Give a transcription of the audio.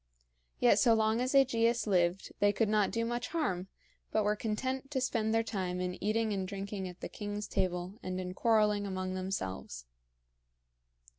Yet so long as AEgeus lived they could not do much harm, but were content to spend their time in eating and drinking at the king's table and in quarreling among themselves.